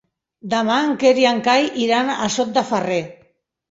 Demà en Quer i en Cai iran a Sot de Ferrer.